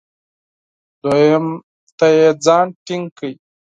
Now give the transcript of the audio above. دوهم ته یې ځان ټینګ کړی.